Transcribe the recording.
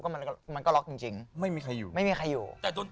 เหมือนว่าเขามีใครอยู่